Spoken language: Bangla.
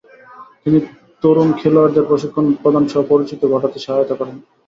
তিনি তরুণ খেলোয়াড়দের প্রশিক্ষণ প্রদানসহ পরিচিতি ঘটাতে সহায়তা করেন।